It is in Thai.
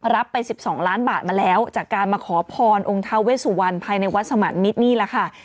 รับไป๑๒ล้านบาทมาแล้วจากการมาขอพรองค์ทาเวสุวรรณภายในวัดสมันมิตรนี่แหละค่ะ